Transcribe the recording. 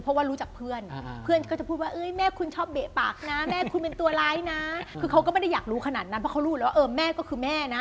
คือแบบเรารู้ออกป่ะ